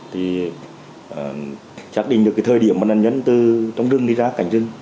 thì chắc định được cái thời điểm mà nạn nhân từ trong rừng đi ra cảnh rừng